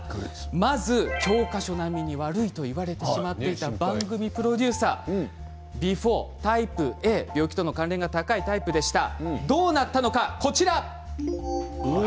まず教科書並みに悪いと言われてしまっていた番組プロデューサービフォー、タイプＡから病気との関連が多いＡタイプでした。